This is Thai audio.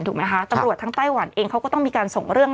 ถูกไหมคะตำรวจทั้งไต้หวันเองเขาก็ต้องมีการส่งเรื่อง